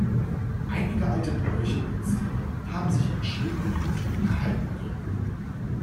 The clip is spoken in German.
Einige alte Bräuche und Sitten haben sich in Schmitten erhalten können.